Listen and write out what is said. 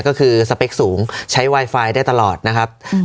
ก็คือสเปคสูงใช้ไวไฟได้ตลอดนะครับ